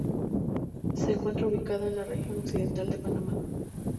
Se encuentra ubicada en la región occidental de Panamá.